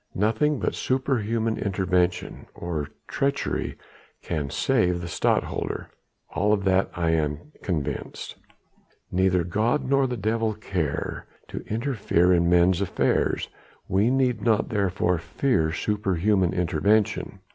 Nothing but superhuman intervention or treachery can save the Stadtholder of that am I convinced. Neither God nor the devil care to interfere in men's affairs we need not therefore fear superhuman intervention.